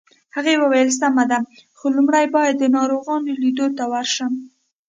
هغې وویل: سمه ده، خو لومړی باید د ناروغانو لیدو ته ورشم.